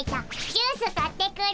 ジュース買ってくる。